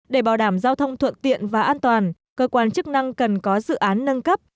để bảo đảm giao thông thuận tiện và an toàn cơ quan chức năng cần có dự án nâng cấp